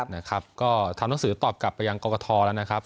นะครับก็ทำหนังสือตอบกลับไปยังกรกฐแล้วนะครับ